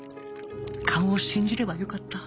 カンを信じればよかった